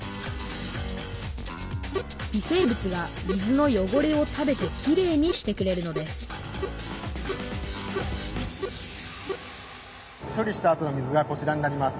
微生物が水の汚れを食べてきれいにしてくれるのです処理したあとの水がこちらになります。